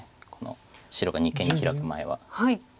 白が二間にヒラく前は。